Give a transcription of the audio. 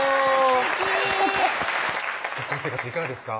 すてき結婚生活いかがですか？